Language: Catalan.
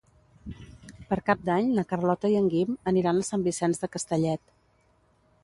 Per Cap d'Any na Carlota i en Guim aniran a Sant Vicenç de Castellet.